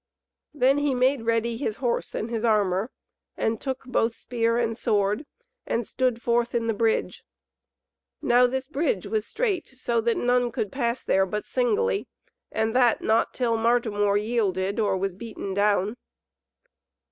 Then he made ready his horse and his armour, and took both spear and sword, and stood forth in the bridge. Now this bridge was strait, so that none could pass there but singly, and that not till Martimor yielded or was beaten down.